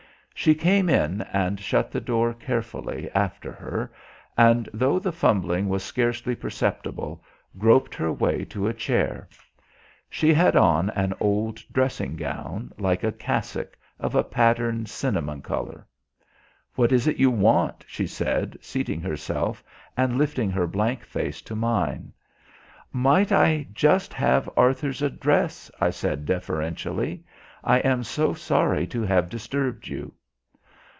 She came in and shut the door carefully after her and, though the fumbling was scarcely perceptible, groped her way to a chair. She had on an old dressing gown, like a cassock, of a patterned cinnamon colour. "What is it you want?" she said, seating herself and lifting her blank face to mine. "Might I just have Arthur's address?" I said deferentially. "I am so sorry to have disturbed you."